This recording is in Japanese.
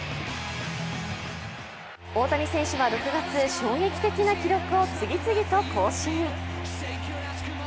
大谷選手は６月衝撃的な記録を次々と更新。